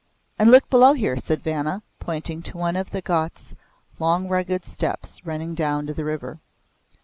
"And look below here," said Vanna, pointing to one of the ghauts long rugged steps running down to the river.